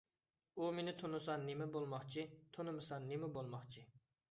ئۇ مېنى تونۇسا نېمە بولماقچى، تونىمىسا نېمە بولماقچى؟